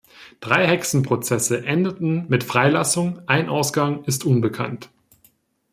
Drei Hexenprozesse endeten mit Freilassung, ein Ausgang ist unbekannt.